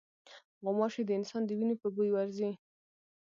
غوماشې د انسان د وینې په بوی ورځي.